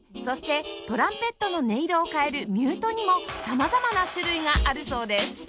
そしてトランペットの音色を変えるミュートにも様々な種類があるそうです